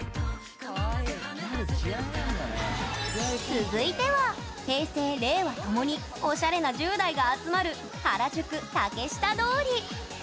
続いては平成、令和ともにおしゃれな１０代が集まる原宿・竹下通り。